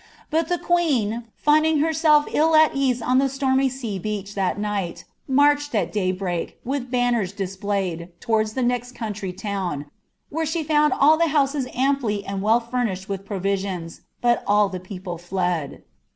But the queen, dnding herself ill at cam «i Ik* atomiy sea beach thai night, marched at day break, with buuMn di^ played, towards the next country town, where she foimd all tbe huiwi amply nad well furnished with provisions, hut all the people Aed."